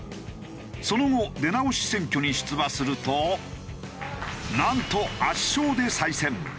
その後出直し選挙に出馬するとなんと圧勝で再選。